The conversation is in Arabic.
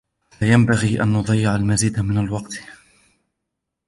لا ينبغي أن نضيع المزيد من الوقت.